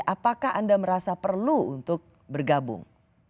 apakah anda merasa perlu untuk bergabung